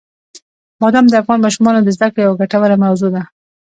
بادام د افغان ماشومانو د زده کړې یوه ګټوره موضوع ده.